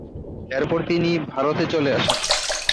এরপর তিনি ভারতে চলে আসেন।